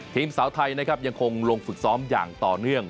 ทีมเสาไทยยังคงลงฝึกซ้อมอย่างต่อเนื่อง